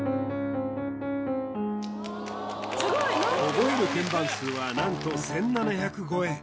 覚える鍵盤数は何と１７００超え